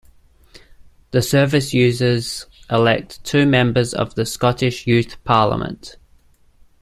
The service users elect two members of the Scottish Youth Parliament.